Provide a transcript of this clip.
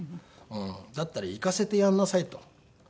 「だったら行かせてやんなさい」と。